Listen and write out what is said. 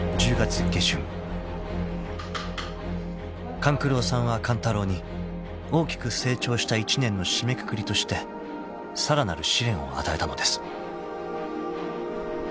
［勘九郎さんは勘太郎に大きく成長した一年の締めくくりとしてさらなる試練を与えたのです］